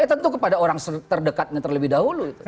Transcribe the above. ya tentu kepada orang terdekatnya terlebih dahulu